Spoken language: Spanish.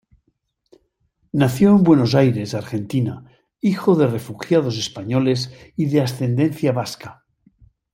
Nació en Buenos Aires, Argentina, hijo de refugiados españoles y de ascendencia vasca.